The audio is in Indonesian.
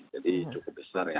jadi cukup besar ya